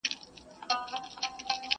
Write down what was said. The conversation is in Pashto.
ډیک په هر ځنګله کي ښاخ پر ښاخ کړېږي!.